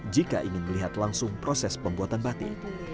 jika ingin melihat langsung proses pembuatan batik